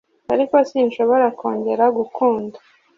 ariko sinshobora kongera gukunda